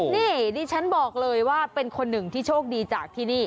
นี่ดิฉันบอกเลยว่าเป็นคนหนึ่งที่โชคดีจากที่นี่